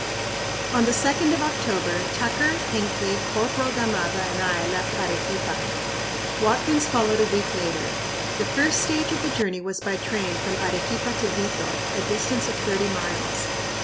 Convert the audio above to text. On the 2d of October, Tucker, Hinckley, Corporal Gamarra and I left Arequipa; Watkins followed a week later. The first stage of the journey was by train from Arequipa to Vitor, a distance of thirty miles.